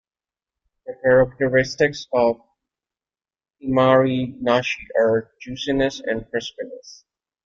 The characteristics of Imari "nashi" are juiciness and crispness.